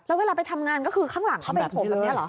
แล้วเวลาไปทำงานก็คือข้างหลังเขาเป็นผมแบบนี้เหรอ